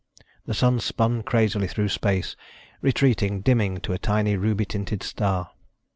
The Sun spun crazily through space, retreating, dimming to a tiny ruby tinted star.